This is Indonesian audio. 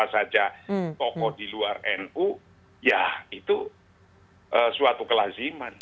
banyak orang yang kita ketemu dengan siapa saja tokoh di luar nu ya itu suatu kelaziman